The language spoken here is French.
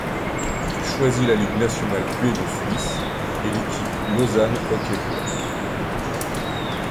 Il choisit la Ligue nationale B de Suisse et l'équipe Lausanne Hockey Club.